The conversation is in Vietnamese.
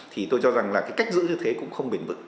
thì tôi cho rằng là cách giữ như thế cũng không bền bự